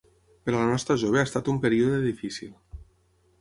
Per a la nostra jove ha estat un període difícil.